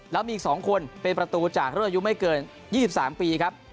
แล้วมีอีก๒คนเป็นประตูจากรุ่นอายุไม่เกิน๒๓ปีครับ